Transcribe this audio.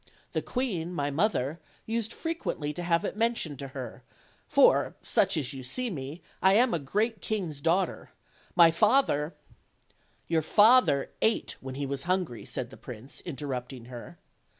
The queen, my mother, used frequently to have it men tioned to her, for, such as you see me, lam a great king's daughter. My father " "Your father ate when he was hungry," said the prince, interrupting her.